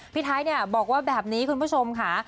พี่ไทยบอกว่าแบบนี้คุณผู้ชมค่ะ